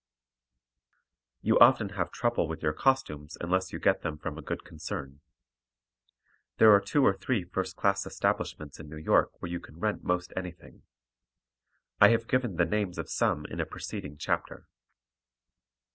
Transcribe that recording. You often have trouble with your costumes unless you get them from a good concern. There are two or three first class establishments in New York where you can rent most anything. I have given the names of some in a preceding chapter.